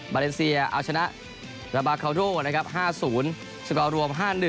เลเซียเอาชนะราบาคาโดนะครับ๕๐สกอร์รวม๕๑